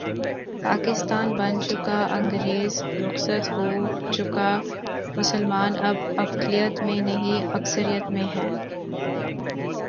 پاکستان بن چکا انگریز رخصت ہو چکا مسلمان اب اقلیت میں نہیں، اکثریت میں ہیں۔